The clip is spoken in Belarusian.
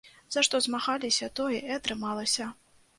За што змагаліся, тое і атрымалася.